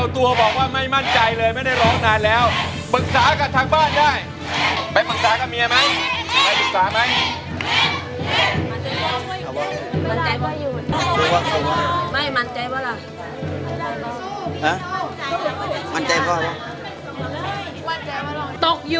ตกอยู่ในด้านหัก